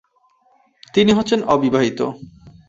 তিনি হচ্ছেন অবিবাহিত।